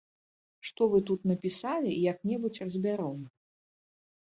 Што вы тут напісалі, як-небудзь разбяром.